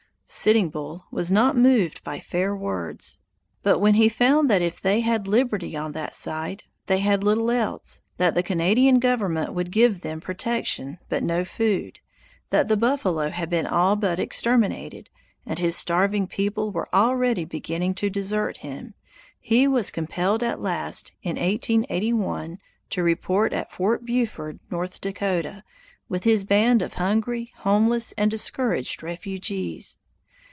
Sitting Bull was not moved by fair words; but when he found that if they had liberty on that side, they had little else, that the Canadian government would give them protection but no food; that the buffalo had been all but exterminated and his starving people were already beginning to desert him, he was compelled at last, in 1881, to report at Fort Buford, North Dakota, with his band of hungry, homeless, and discouraged refugees.